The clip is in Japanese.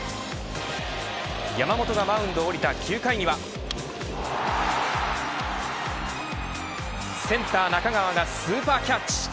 山本がマウンドを降りた９回にはセンター中川がスーパーキャッチ。